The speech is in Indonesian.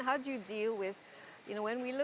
bagaimana cara anda menghadapi